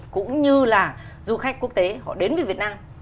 cũng như là du khách quốc tế họ đến với việt nam